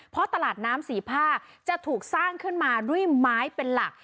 เพราะตลาดน้ำสีผ้าจะถูกสร้างขึ้นมาด้วยไม้เป็นหลัก